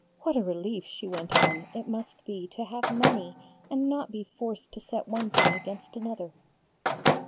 What a relief,' she went on, 'it must be to have money and not be forced to set one thing against another!'